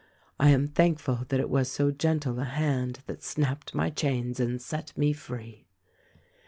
I am thankful that it was so gentle a hand that snapped my chains and set me free."